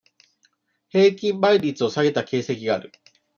平均倍率を下げた形跡がある。